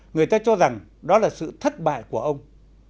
người ta cho rằng đó là sự thất bại của ông